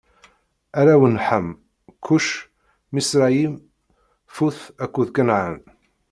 Arraw n Ḥam: Kuc, Miṣrayim, Fut akked Kanɛan.